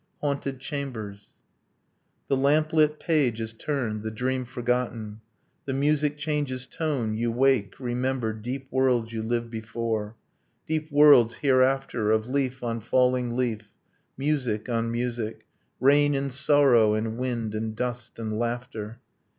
HAUNTED CHAMBERS The lamplit page is turned, the dream forgotten; The music changes tone, you wake, remember Deep worlds you lived before, deep worlds hereafter Of leaf on falling leaf, music on music, Rain and sorrow and wind and dust and laughter.